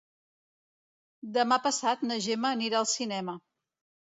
Demà passat na Gemma anirà al cinema.